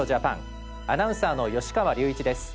アナウンサーの芳川隆一です。